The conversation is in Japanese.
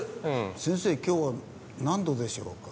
「先生今日は何度でしょうか？」。